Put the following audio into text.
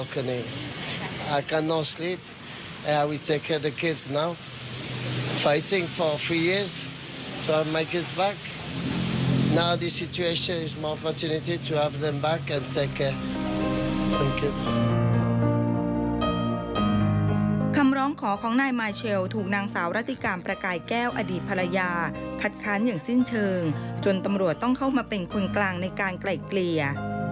คำร้องขอของนายมาเชลถูกนางสาวรัติการประกายแก้วอดีตภรรยาคัดค้านอย่างสิ้นเชิงจนตำรวจต้องเข้ามาเป็นคนกลางในการไกล่เกลี่ย